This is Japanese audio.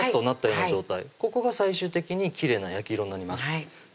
ここが最終的にきれいな焼き色になります